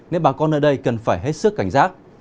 nên bà con nơi đây cần phải hết sức cảnh giác